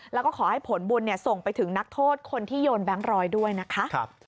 แล้วก็ขอให้ผลบุญส่งไปถึงนักโทษคนที่โยนแบงค์ร้อยด้วยนะคะ